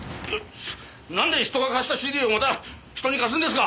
なんで人が貸したＣＤをまた人に貸すんですか！